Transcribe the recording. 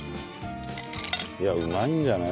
いやうまいんじゃない？